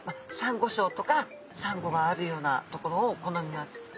サンゴしょうとかサンゴがあるようなところを好みます。